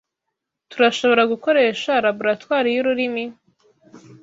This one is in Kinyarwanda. Turashobora gukoresha laboratoire y'ururimi?